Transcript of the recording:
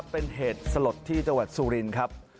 เป็นเหตุสลดที่จังหวัดสุรินครับ